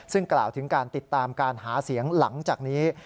ซึ่งกล่าวถึงการติดตามการหาเสียงหลังจากนี้